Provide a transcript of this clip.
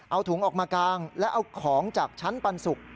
เอาถุงออกมากางและเอาของจากชั้นปันสุก